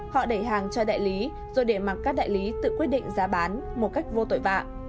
họ đẩy hàng cho đại lý rồi để mặc các đại lý tự quyết định giá bán một cách vô tội vạ